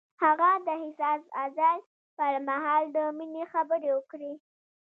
هغه د حساس غزل پر مهال د مینې خبرې وکړې.